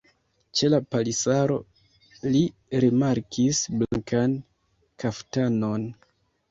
Ĉe la palisaro li rimarkis blankan kaftanon.